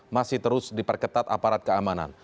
masih terus diperketat aparat keamanan